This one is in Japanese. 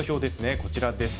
こちらです。